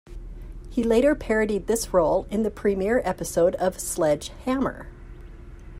He later parodied this role in the premiere episode of Sledge Hammer!